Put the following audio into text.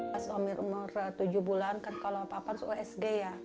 pas omir umur tujuh bulan kan kalau papa harus osg ya